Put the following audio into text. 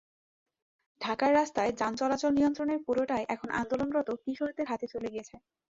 ঢাকার রাস্তায় যান চলাচল নিয়ন্ত্রণের পুরোটাই এখন আন্দোলনরত কিশোরদের হাতে চলে গেছে।